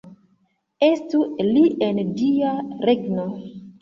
Estu li en Dia regno!